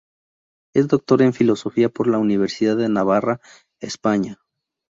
Es Doctor en Filosofía por la Universidad de Navarra, España.